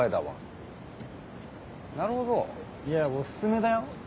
いやおすすめだよ。